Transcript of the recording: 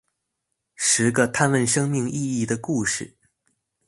十個探問生命意義的故事